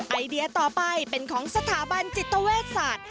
ไอเดียต่อไปเป็นของสถาบันจิตเวชศาสตร์